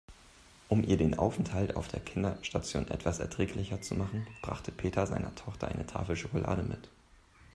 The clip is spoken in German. Um ihr den Aufenthalt auf der Kinderstation etwas erträglicher zu machen, brachte Peter seiner Tochter eine Tafel Schokolade mit.